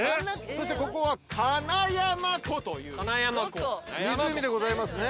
そしてここはかなやま湖という湖でございますね。